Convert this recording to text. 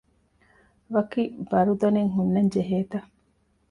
ވަކި ބަރުދަނެއް ހުންނަންޖެހޭތަ؟